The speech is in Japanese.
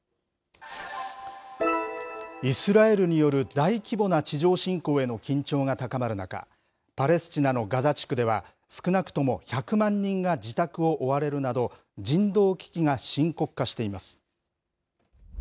イスラエルによる大規模な地上侵攻への緊張が高まる中、パレスチナのガザ地区では、少なくとも１００万人が自宅を追われるなど、人道危機が深刻化しています。